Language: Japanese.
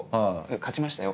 勝ちましたよ。